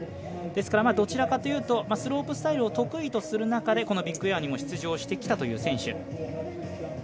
ですから、どちらかというとスロープスタイルを得意とする中でこのビッグエアにも出場してきたという選手。